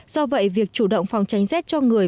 do vậy việc chủ động phòng tránh rét cho người